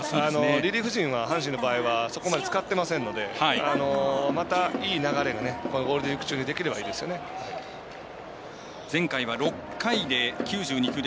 リリーフ陣は阪神の場合はそこまで使ってませんのでまた、いい流れをゴールデンウイーク中に前回は６回で９２球。